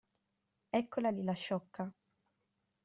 Eccola lì la sciocca!